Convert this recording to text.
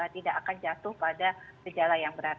tidak akan jatuh pada gejala yang berat